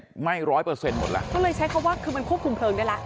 ไหม้ร้อยเปอร์เซ็นหมดแล้วก็เลยใช้คำว่าคือมันควบคุมเพลิงได้แล้ว